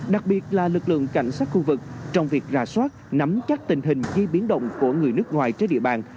đặc biệt là lực lượng cảnh sát khu vực trong việc rà soát nắm chắc tình hình di biến động của người nước ngoài trên địa bàn